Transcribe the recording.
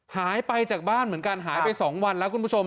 หายไปจากบ้านเหมือนกันหายไป๒วันแล้วคุณผู้ชม